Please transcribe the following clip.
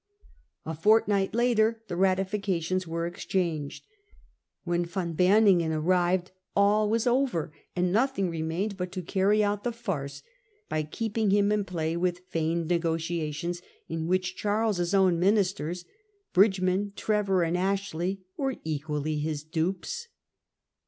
A fortnight later the ratifications were exchanged. When Van Beuninghen arrived all was over, and nothing re mained but to carry out the farce by keeping him in play f86 Preparations of Lou A for War, 1671. with feigned negotiations, in which Charles's own minis ters, Bridgeman, Trevor, and Ashley, were equally his dupes.